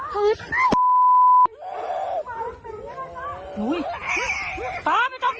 พี่ป๊าช่วย